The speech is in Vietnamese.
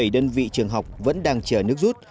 một mươi bảy đơn vị trường học vẫn đang chờ nước rút